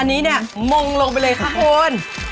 อันนี้เนี่ยมงลงไปเลยค่ะคุณ